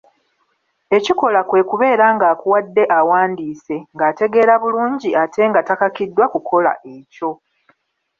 Ekikola kwe kubeera ng’akuwadde awandiise ng’ategeera bulungi ate nga takakiddwa kukola ekyo.